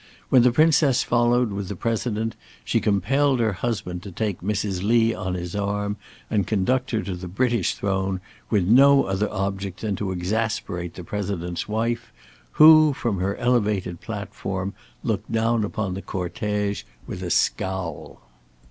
When the Princess followed with the President, she compelled her husband to take Mrs. Lee on his arm and conduct her to the British throne, with no other object than to exasperate the President's wife, who, from her elevated platform, looked down upon the cortège with a scowl.